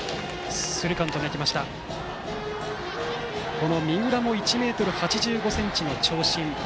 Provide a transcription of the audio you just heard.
この三浦も１ｍ８５ｃｍの長身。